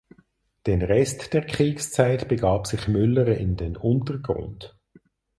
Den Rest der Kriegszeit begab sich Müller in den Untergrund.